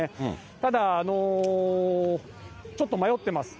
ただ、ちょっと迷ってます。